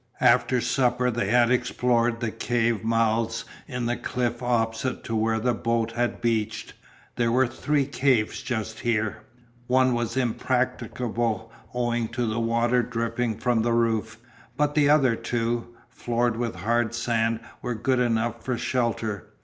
After supper they had explored the cave mouths in the cliff opposite to where the boat had beached. There were three caves just here. One was impracticable owing to water dripping from the roof, but the other two, floored with hard sand, were good enough for shelter.